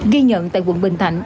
ghi nhận tại quận bình thạnh